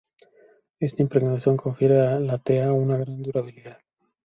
Esta impregnación confiere a la tea una gran durabilidad.